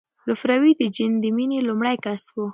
لفروی د جین د مینې لومړی کس و.